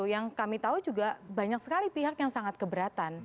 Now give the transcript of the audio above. yang kami tahu juga banyak sekali pihak yang sangat keberatan